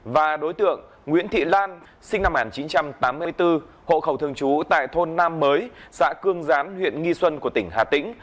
và đối tượng nguyễn thị lan sinh năm một nghìn chín trăm tám mươi bốn hộ khẩu thường trú tại thôn nam mới xã cương gián huyện nghi xuân của tỉnh hà tĩnh